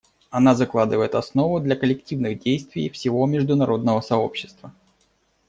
Она закладывает основу для коллективных действий всего международного сообщества.